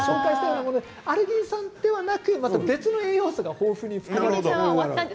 アルギン酸にはなく別の栄養素が豊富に含まれています。